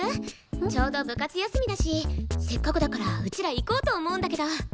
ちょうど部活休みだしせっかくだからうちら行こうと思うんだけど。